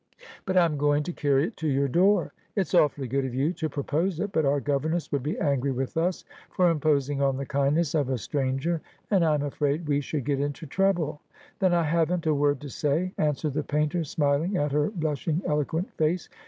' But I am going to carry it to your door.' ' It's awfully good of you to propose it, but our governess would be angry with us for imposing on the kindness of a stranger, and I am afraid we should get into trouble.' ' Then I haven't a word to say,' answered the painter, smiling at her blushing eloquent face.